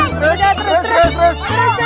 terus terus terus